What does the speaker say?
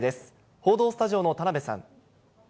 報道スタジオの田辺さん。